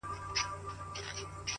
ویل صاحبه زموږ خو ټول ابرو برباد سوه،